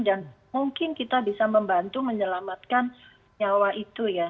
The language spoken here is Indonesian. dan mungkin kita bisa membantu menyelamatkan nyawa itu ya